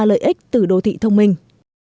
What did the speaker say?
lợi ích từ đô thị thông minh